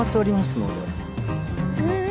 うん。